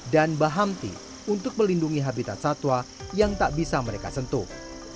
dan bahamti untuk melindungi habitat satwa yang tak bisa mereka sentuh